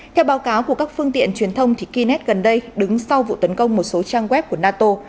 theo báo cáo của các phương tiện truyền thông kunnes gần đây đứng sau vụ tấn công một số trang web của nato